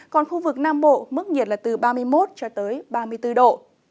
còn khu vực nam bộ mức nhiệt là từ ba mươi một cho tới ba mươi bốn độ